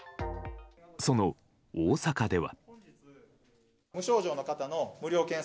その大阪では。